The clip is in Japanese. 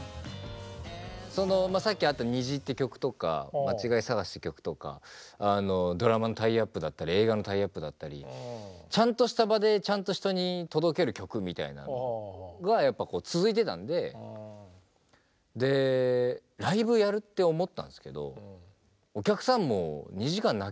さっきあった「虹」って曲とか「まちがいさがし」って曲とかドラマのタイアップだったり映画のタイアップだったりちゃんとした場でちゃんと人に届ける曲みたいなのがやっぱこう続いてたんでライブやるって思ったんですけどお客さんも２時間泣きっぱもしんどいと。